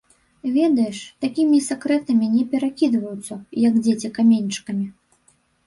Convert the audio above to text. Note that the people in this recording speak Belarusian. Ведаеш, такімі сакрэтамі не перакідваюцца, як дзеці каменьчыкамі.